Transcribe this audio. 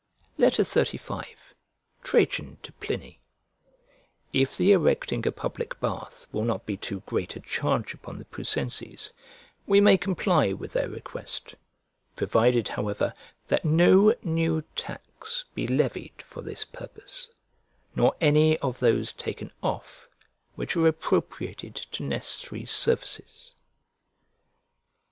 XXXV TRAJAN TO PLINY IF the erecting a public bath will not be too great a charge upon the Prusenses, we may comply with their request; provided, however, that no new tax be levied for this purpose, nor any of those taken off which are appropriated to necessary services.